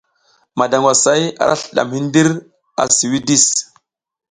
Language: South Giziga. Madangwasay ara slidadm hidir a si widis.